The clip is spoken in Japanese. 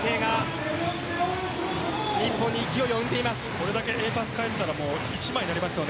これだけ、Ａパスが入ったら１枚になります。